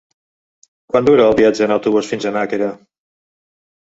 Quant dura el viatge en autobús fins a Nàquera?